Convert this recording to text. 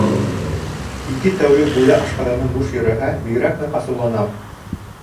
Ике тәү-лек буйы ашҡаҙаным буш йөрөһә, бигерәк ныҡ асыуланам.